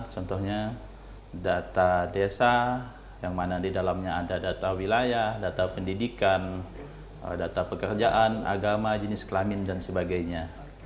contohnya data desa yang mana di dalamnya ada data wilayah data pendidikan data pekerjaan agama jenis kelamin dan sebagainya